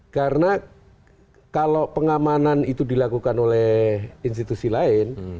karena kalau pengamanan itu dilakukan oleh institusi lain